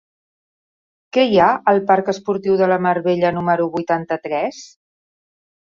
Què hi ha al parc Esportiu de la Mar Bella número vuitanta-tres?